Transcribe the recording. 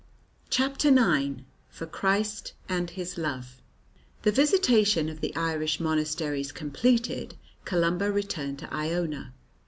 CHAPTER IX FOR CHRIST AND HIS LOVE THE visitation of the Irish monasteries completed, Columba returned to Iona.